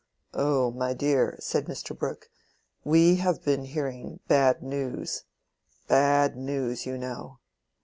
"Oh, my dear," said Mr. Brooke, "we have been hearing bad news—bad news, you know."